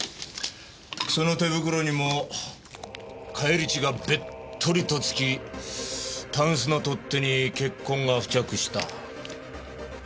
その手袋にも返り血がべっとりとつきたんすの取っ手に血痕が付着した。